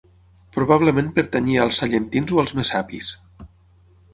Probablement pertanyia als sallentins o als messapis.